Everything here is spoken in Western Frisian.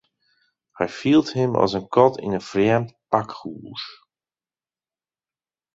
Hy fielt him as in kat yn in frjemd pakhús.